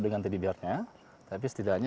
dengan teddy bearnya tapi setidaknya